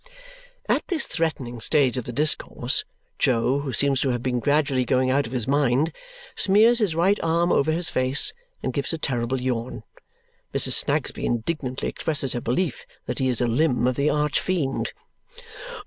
At this threatening stage of the discourse, Jo, who seems to have been gradually going out of his mind, smears his right arm over his face and gives a terrible yawn. Mrs. Snagsby indignantly expresses her belief that he is a limb of the arch fiend.